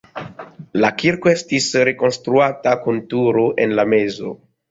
La kirko estis rekonstruata kun turo en la mezo.